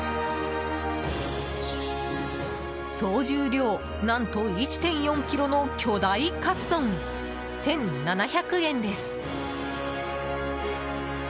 総重量、何と１．４ｋｇの巨大カツ丼、１７００円です。